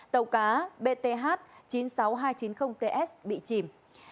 tàu cá bth chín mươi sáu nghìn hai trăm chín mươi ts bị chìm